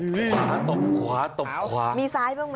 มีซ้ายต้องมั้ย